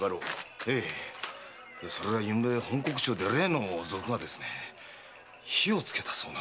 それがゆんべ本石町で例の賊が火をつけたそうなんです。